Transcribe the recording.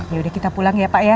yaudah kita pulang ya pak ya